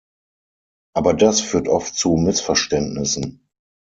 Aber das führt oft zu Missverständnissen.